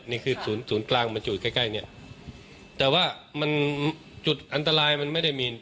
นี่คือศูนย์ศูนย์กลางมันอยู่ใกล้ใกล้เนี่ยแต่ว่ามันจุดอันตรายมันไม่ได้มี